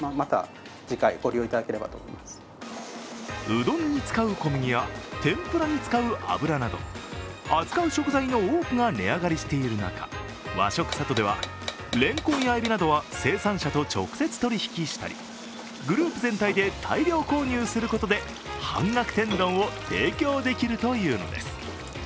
うどんに使う、小麦や天ぷらに使う油など扱う食材の多くが値上がりしている中、和食さとではレンコンや海老などは生産者と直接、取引したりグループ全体で大量購入することで半額天丼を提供できるというのです。